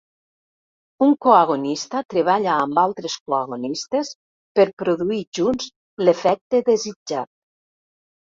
Un coagonista treballa amb altres coagonistes per produir junts l'efecte desitjat.